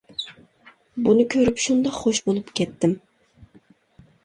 بۇنى كۆرۈپ شۇنداق خوش بولۇپ كەتتىم.